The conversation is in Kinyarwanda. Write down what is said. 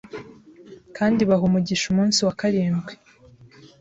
Kandi baha umugisha umunsi wa karindwi